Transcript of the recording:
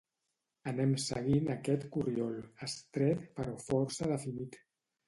Anem seguint aquest corriol, estret però força definit.